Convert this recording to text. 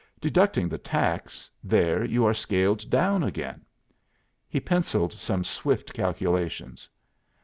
'Deducting the tax, there you are scaled down again.' He pencilled some swift calculations.